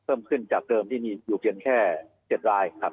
เพิ่มขึ้นจากเดิมที่มีอยู่เพียงแค่๗รายครับ